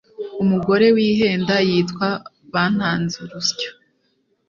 Umugore wihenda yitwa bantanze urusyo.